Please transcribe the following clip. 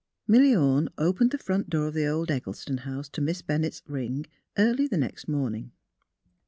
MiLLY Orne opened the front door of the old Eg gieston house to Miss Bennett's ring early the next morning.